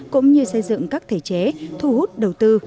cũng như xây dựng các thể chế thu hút đầu tư